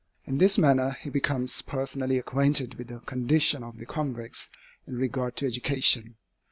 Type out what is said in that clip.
In this manner he becomes personally acquainted with the condition of the convicts in regard to education.